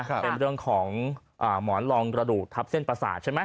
เป็นเรื่องของหมอนรองกระดูกทับเส้นประสาทใช่ไหม